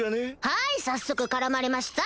はい早速絡まれました！